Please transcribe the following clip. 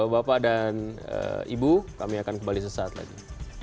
bapak dan ibu kami akan kembali sesaat lagi